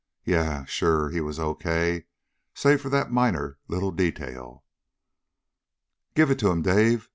Yes, sure, he was all okay save for that minor little detail. "Give it to them, Dave!